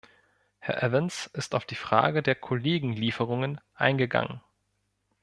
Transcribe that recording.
Herrn Evans ist auf die Frage der Kollegenlieferungen eingegangen.